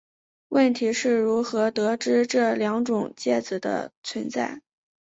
问题是如何得知这两种介子的存在。